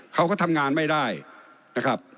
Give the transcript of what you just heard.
เขาก็ทำงานไม่ได้นะครับ